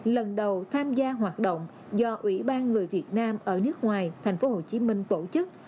lần đầu tham gia hoạt động do ủy ban người việt nam ở nước ngoài thành phố hồ chí minh tổ chức